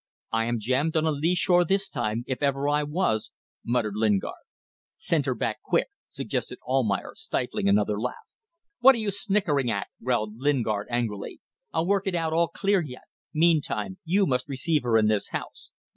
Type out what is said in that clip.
"I am jammed on a lee shore this time, if ever I was," muttered Lingard. "Send her back quick," suggested Almayer, stifling another laugh. "What are you sniggering at?" growled Lingard, angrily. "I'll work it out all clear yet. Meantime you must receive her into this house."